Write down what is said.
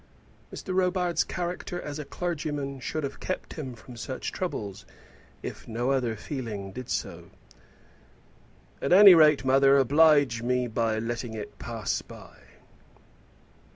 "Mr. Robarts' character as a clergyman should have kept him from such troubles, if no other feeling did so." "At any rate, mother, oblige me by letting it pass by."